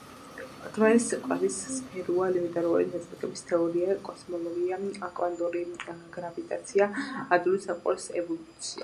დვალის კვლევის სფეროა ელემენტარული ნაწილაკების თეორია, კოსმოლოგია, კვანტური გრავიტაცია, ადრეული სამყაროს ევოლუცია.